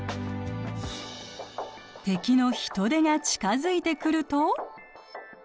敵のヒトデが近づいてくると。